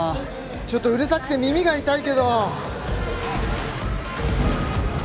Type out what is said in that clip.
ちょっとうるさくて耳が痛いけど。